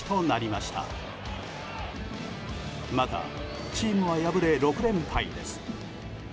また、チームは敗れ６連敗です。